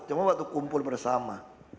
cuma waktu kumpul bersama